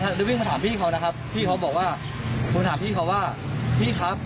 เลยวิ่งมาถามพี่เขานะครับพี่เขาบอกว่าโทรถามพี่เขาว่าพี่ครับ